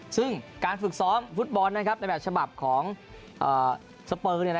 ซึ่งการฝึกซ้อมฟุตบอลในแบบฉบับของสเปอร์